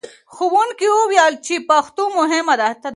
ښوونکي وویل چې پښتو مهمه ده.